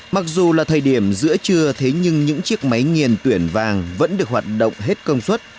mặc dù là thời điểm giữa trưa thế nhưng những chiếc máy nghiền tuyển vàng vẫn được hoạt động hết công suất